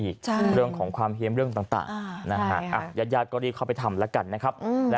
อีกใช่เรื่องของความเฮียมเรื่องต่างนะฮะอ่ะยายา